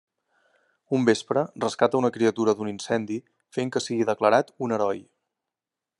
Un vespre, rescata una criatura d’un incendi fent que sigui declarat un heroi.